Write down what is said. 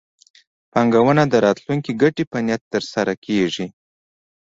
پانګونه د راتلونکي ګټې په نیت ترسره کېږي.